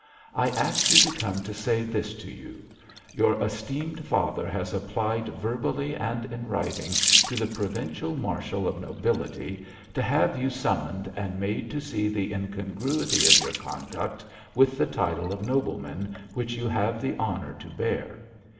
"I asked you to come to say this to you: 'Your esteemed father has applied verbally and in writing to the provincial marshal of nobility, to have you summoned and made to see the incongruity of your conduct with the title of nobleman which you have the honour to bear.